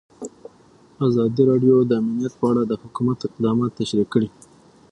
ازادي راډیو د امنیت په اړه د حکومت اقدامات تشریح کړي.